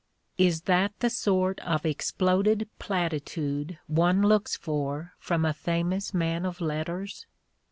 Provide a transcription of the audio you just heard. Is that the sort of exploded platitude one looks for from a famous man of letters?